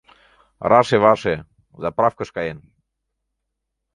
Раше-ваше: «заправкыш» каен.